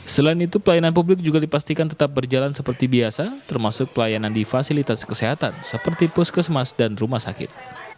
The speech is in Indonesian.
selain itu pelayanan publik juga dipastikan tetap berjalan seperti biasa termasuk pelayanan di fasilitas kesehatan seperti puskesmas dan rumah sakit